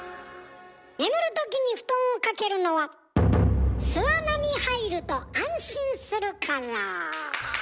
眠るときに布団をかけるのは巣穴に入ると安心するから。